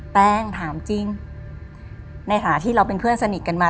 แป้งถามจริงในฐานะที่เราเป็นเพื่อนสนิทกันมา